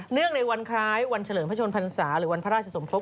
ในวันคล้ายวันเฉลิมพระชนพรรษาหรือวันพระราชสมครบ